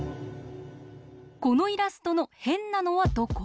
このイラストのへんなのはどこ？